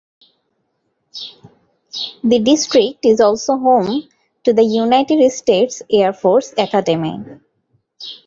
The district is also home to the United States Air Force Academy.